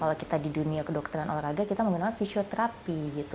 kalau kita di dunia kedokteran olahraga kita menggunakan fisioterapi gitu